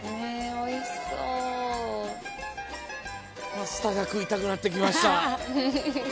パスタが食いたくなってきました。